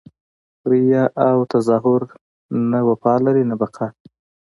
ریاء او تظاهر نه وفا لري نه بقاء!